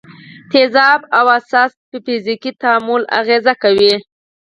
تیزاب او اساس په فزیکي تعامل اغېزه کوي.